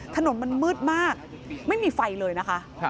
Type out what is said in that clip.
ถนนมันมืดมากไม่มีไฟเลยนะคะ